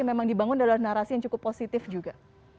memang dibangun dalam narasi yang cukup positif juga